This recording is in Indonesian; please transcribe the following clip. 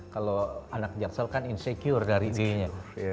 kalau anak jaksal kan insecure dari d nya